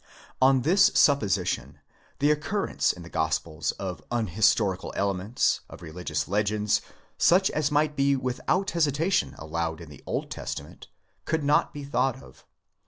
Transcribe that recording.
On this supposition, the occurrence in the Gospels of unhistorical elements, of religious legends, such as might be without hesitation allowed in the Old Testament, could not be thought of.